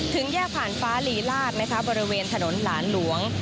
ถึงแยกผ่านฟ้าลีลาศบริเวณถนนหลานหลวง